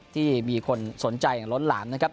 ที่มีคนสนใจชนล้นนะครับ